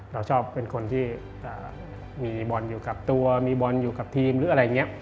เราชอบเป็นคนที่มีบอลอยู่กับตัวมีบอลอยู่กับทีมหรืออะไรอย่างนี้